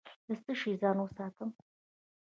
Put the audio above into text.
له څه شي ځان وساتم؟